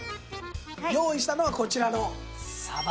用意したのはこちらのサバ。